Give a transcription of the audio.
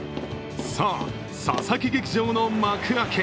さあ、佐々木劇場の幕開け。